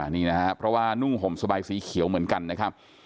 นี่นะครับเพราะว่านุ่งห่มสบายสีเขียวเหมือนกันนะครับ